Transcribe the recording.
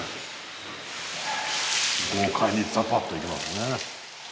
豪快にザパっといきますね。